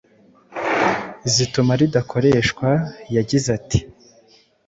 zituma ridakoreshwa. Yagize ati “